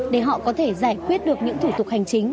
để họ có thể giải quyết được những thủ tục hành chính